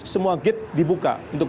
semua gate dibuka untuk